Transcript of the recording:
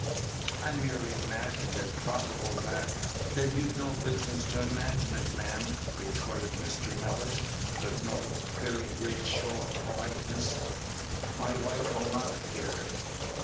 "I merely imagined it probable that " "Then you'd no business to imagine it, ma'am," retorted Mr. Mellish, with no very great show of politeness. "My wife will not appear.